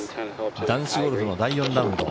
男子ゴルフの第４ラウンド。